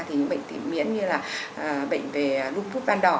thì những bệnh tỉ miễn như là bệnh về lút thuốc van đỏ